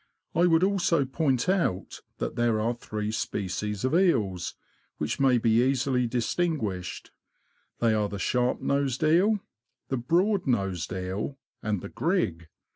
I would also point out that there are three species of eels, which may be easily dis SHARP NosED EEL. tiuguished I they are the sharp nosed eel, the broad nosed eel, and the grig.